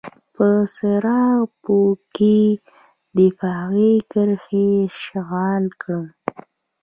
په سراج پور کې دفاعي کرښې اشغال کړئ.